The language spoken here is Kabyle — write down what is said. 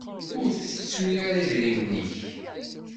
Ur tettu ara idrimen-ik.